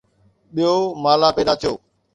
ٻيو مالا پيدا ٿيو